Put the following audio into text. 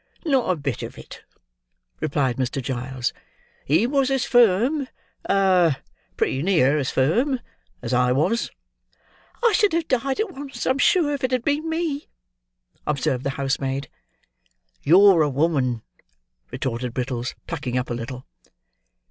"Not a bit of it," replied Mr. Giles. "He was as firm—ah! pretty near as firm as I was." "I should have died at once, I'm sure, if it had been me," observed the housemaid. "You're a woman," retorted Brittles, plucking up a little.